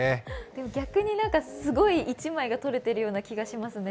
でも、逆にすごい一枚が撮れている気がしますね。